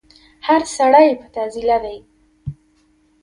هر سړی په تعضيله دی